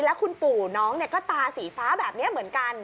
แล้วคุณปู่น้องก็ตาสีฟ้าแบบนี้เหมือนกัน